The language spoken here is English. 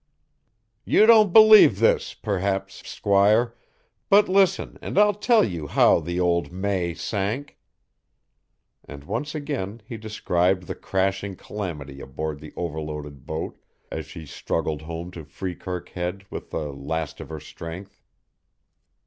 "You don't believe this, perhaps, squire, but listen and I'll tell you how the old May sank." And once again he described the crashing calamity aboard the overloaded boat as she struggled home to Freekirk Head with the last of her strength.